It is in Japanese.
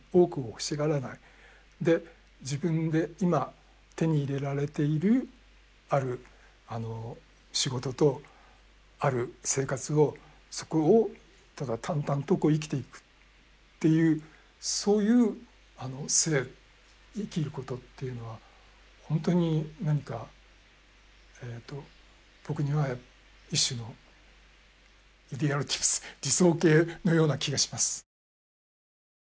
自分で今手に入れられているある仕事とある生活をそこをただ淡々と生きていくっていうそういう生生きることっていうのは本当に何か僕には一種の理想形のような気がします。